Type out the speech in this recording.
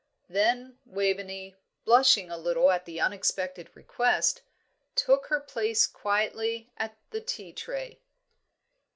Then Waveney, blushing a little at the unexpected request, took her place quietly at the tea tray.